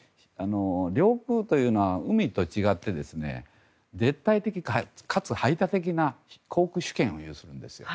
領空というのは海と違ってですね絶対的かつ排他的な航空主権を有するんですよ。